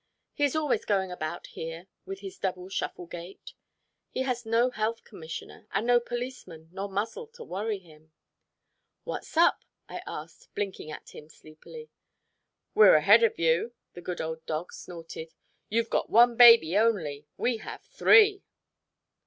He is always going about here with his double shuffle gait. He has no health commissioner, and no policeman nor muzzle to worry him. "What's up?" I asked, blinking at him sleepily. "We're ahead of you," the good old dog snorted "you've got one baby only. We have three."